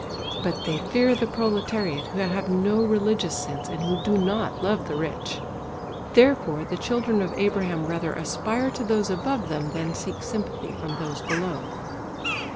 But they fear the proletariat who have no religious sense and who do not love the rich. Therefore the children of Abraham rather aspire to those above them, than seek sympathy from those below.